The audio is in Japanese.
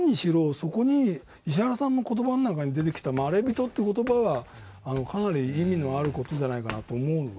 そこに石原さんの言葉の中に出てきた「まれびと」って言葉はかなり意味のある事じゃないかと思うわけです。